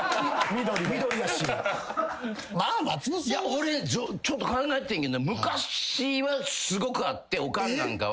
俺ちょっと考えてんけど昔はすごくあっておかんなんかは。